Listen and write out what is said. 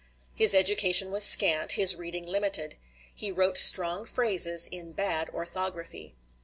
His education was scant, his reading limited; he wrote strong phrases in bad orthography.